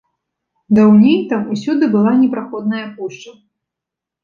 Даўней там усюды была непраходная пушча.